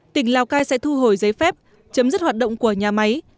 tỉnh lào cai sẽ thu hồi giấy phép chấm dứt hoạt động của nhà máy